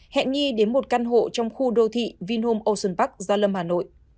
hẹn nghi đến một căn hộ trong khu đô thị vinhome ocean park gia lâm hà nội